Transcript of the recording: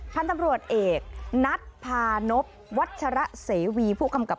พันธ์ตำรวจเอกนัทพานพวัชระเสวี